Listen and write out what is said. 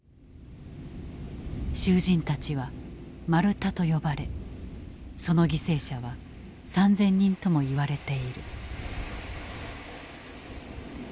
囚人たちはマルタと呼ばれその犠牲者は３，０００人ともいわれている。